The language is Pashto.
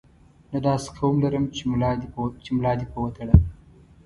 نه داسې قوم لرم چې ملا دې په وتړم.